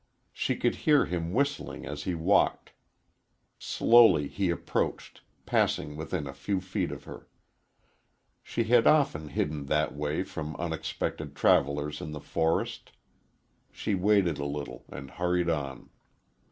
She could hear him whistling as he walked. Slowly he approached, passing within a few feet of her. She had often hidden that way from unexpected travellers in the forest. She waited a little and hurried on.